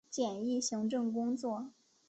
简易行政工作